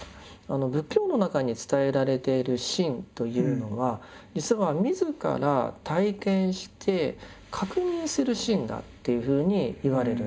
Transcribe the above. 仏教の中に伝えられている「信」というのは実は自ら体験して確認する信だっていうふうにいわれるんです。